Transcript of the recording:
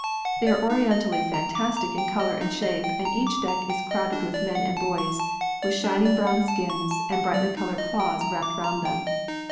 They are orientally fantastic in colour and shape, and each deck is crowded with men and boys, with shining brown skins and brightly coloured cloths wrapped round them.